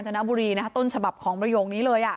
ตอนนี้ต้นฉบับของประโยคนี้เลยอะ